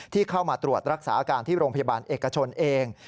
ที่เข้ามาตรวจรักษาอาการที่โรงพยาบาลเอกชนเอง